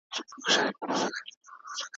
که انلاین ملاتړ وي، زده کوونکي یوازي نه احساسېږي.